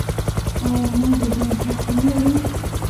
آیا موږ د ژوند حق نلرو؟